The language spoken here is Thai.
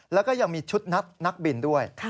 แล้วก็ยังมีชุดนัดนักบินด้วย